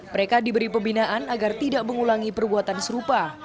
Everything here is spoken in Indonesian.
mereka diberi pembinaan agar tidak mengulangi perbuatan serupa